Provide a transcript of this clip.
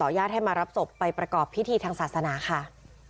ญาติให้มารับศพไปประกอบพิธีทางศาสนาค่ะ